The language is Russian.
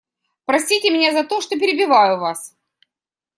Простите меня за то, что перебиваю Вас.